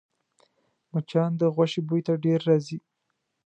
مچان د غوښې بوی ته ډېر راځي